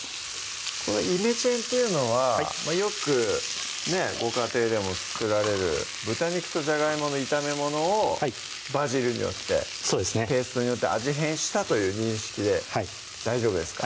この「イメチェン」っていうのはよくねご家庭でも作られる豚肉とじゃがいもの炒め物をバジルによってペーストによって味変したという認識で大丈夫ですか？